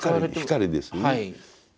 「光」ですね。